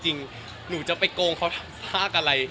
เหมือนนุจะไปโกงเขาร่างมากอะไร